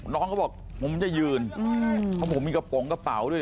น้องก็บอกมันจะยืนเออผมมีกระป๋องกระเป๋าด้วย